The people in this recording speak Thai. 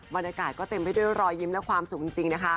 บรรยากาศก็เต็มไปด้วยรอยยิ้มและความสุขจริงนะคะ